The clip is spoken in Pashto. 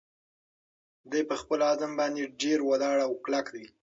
دی په خپل عزم باندې ډېر ولاړ او کلک دی.